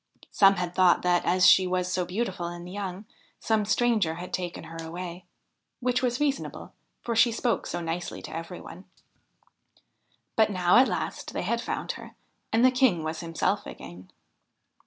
Some had thought that, as she was so beautiful and young, some stranger had taken her away : which was reasonable, for she spoke so nicely to every one. But now at last they had found her, and the King was himself again.